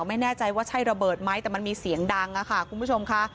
ไม่แน่ใจว่าใช่ระเบิดไหมแต่มันมีเสียงดังค่ะคุณผู้ชมค่ะ